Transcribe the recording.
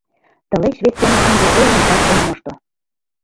— Тылеч вес семын ынде ойленжат ом мошто.